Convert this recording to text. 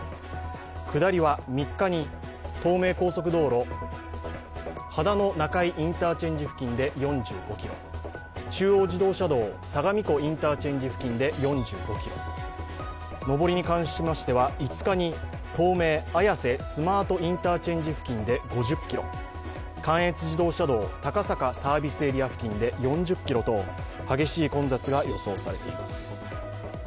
下りは３日に東名高速道路秦野中井インターチェンジ付近で４５ｋｍ、中央自動車道、相模湖インターチェンジ付近で４５ｋｍ上りに関しましては５日に東名・綾瀬スマートインターチェンジ付近で５０ｋｍ関越自動車道、高坂サービスエリア付近で４０ｋｍと激しい混雑が予想されています。